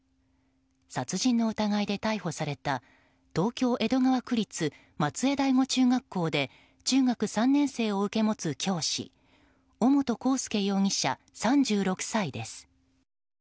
殺人の疑いで逮捕された東京・江戸川区立松江第五中学校で中学３年生を受け持つ教師尾本幸祐容疑者、３６歳です。